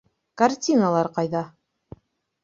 Картиналар ҡайҙа?